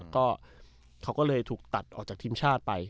ก็เขาก็เลยถูกตัดออกจากทีมชาติไป